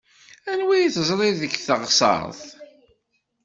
Anwa i teẓṛiḍ deg teɣseṛt?